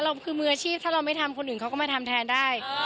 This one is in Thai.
มืออาชีพถ้าเราไม่ทำคนอื่นเขาก็มาทำแทนได้